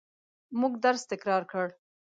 موږ درس تکرار کړ.